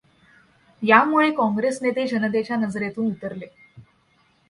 यामुळे काँग्रेसनेते जनतेच्या नजरेतून उतरले.